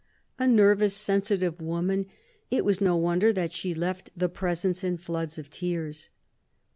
A nervous, sensitive woman, it was no wonder that she left the presence in floods of tears.